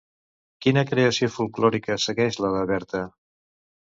Quina creació folklòrica segueix la de Berta?